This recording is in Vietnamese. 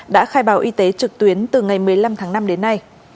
đã khai báo y tế trực tuyến từ ngày một mươi năm tháng năm đến nay